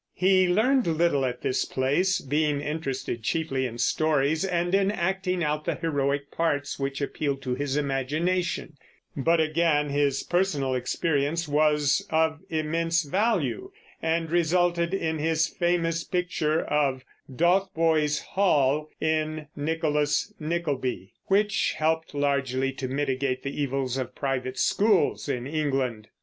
He learned little at this place, being interested chiefly in stories, and in acting out the heroic parts which appealed to his imagination; but again his personal experience was of immense value, and resulted in his famous picture of Dotheboys Hall, in Nicholas Nickleby, which helped largely to mitigate the evils of private schools in England.